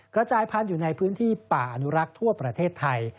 กระจายพันธุ์อยู่ในพื้นที่ป่าอนุรักษ์ทั่วประเทศไทย